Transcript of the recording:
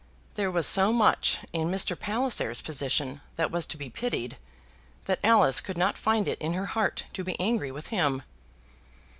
There was so much in Mr. Palliser's position that was to be pitied, that Alice could not find it in her heart to be angry with him.